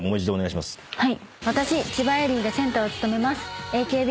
私千葉恵里がセンターを務めます